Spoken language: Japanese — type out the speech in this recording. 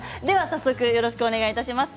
早速よろしくお願いします。